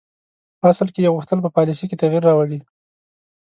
په اصل کې یې غوښتل په پالیسي کې تغییر راولي.